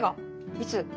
いつ？